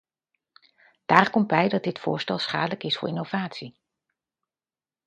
Daar komt bij dat dit voorstel schadelijk is voor innovatie.